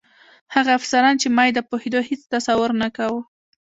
هغه افسران چې ما یې د پوهېدو هېڅ تصور نه کاوه.